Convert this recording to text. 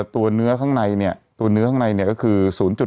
ตัวเนื้อข้างในเนี่ยตัวเนื้อข้างในเนี่ยก็คือ๐๘